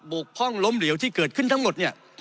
บกพร่องลมเหลวที่เกิดขึ้นทั้งหมด